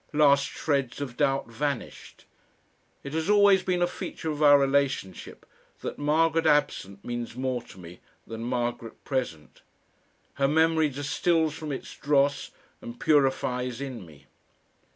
Last shreds of doubt vanished. It has always been a feature of our relationship that Margaret absent means more to me than Margaret present; her memory distils from its dross and purifies in me.